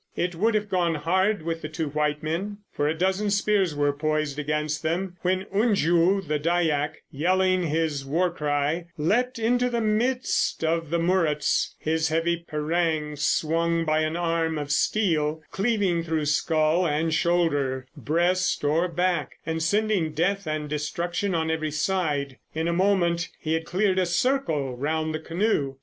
It would have gone hard with the two white men, for a dozen spears were poised against them, when Unju, the Dyack, yelling his war cry, leapt into the midst of the Muruts, his heavy parang swung by an arm of steel, cleaving through skull and shoulder, breast or back, and sending death and destruction on every side. In a moment he had cleared a circle round the canoe.